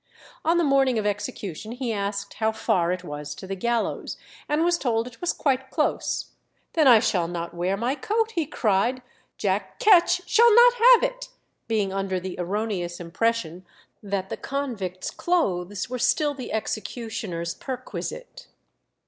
On the morning of execution he asked how far it was to the gallows, and was told it was quite close. "Then I shall not wear my coat," he cried; "Jack Ketch shall not have it," being under the erroneous impression that the convict's clothes were still the executioner's perquisite.